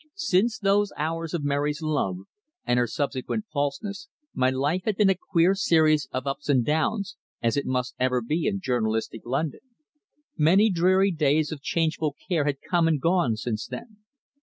Since those hours of Mary's love and her subsequent falseness, my life had been a queer series of ups and downs, as it must ever be in journalistic London. Many dreary days of changeful care had come and gone since then.